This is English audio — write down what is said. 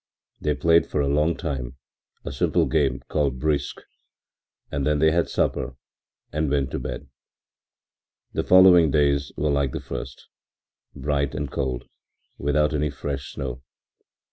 They played for a long time a simple game called brisque and then they had supper and went to bed. The following days were like the first, bright and cold, without any fresh snow.